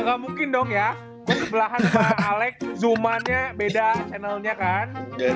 enggak mungkin dong ya gue sebelah sebelah alex zoom annya beda channelnya kan